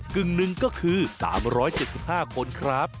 กึ่งหนึ่งก็คือ๓๗๕คนครับ